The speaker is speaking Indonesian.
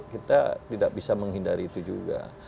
kita tidak bisa menghindari itu juga